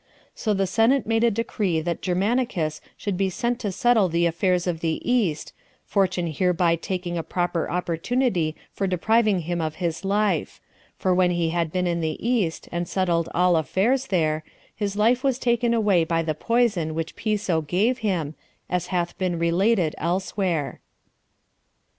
So the senate made a decree that Germanicus should be sent to settle the affairs of the East, fortune hereby taking a proper opportunity for depriving him of his life; for when he had been in the East, and settled all affairs there, his life was taken away by the poison which Piso gave him, as hath been related elsewhere.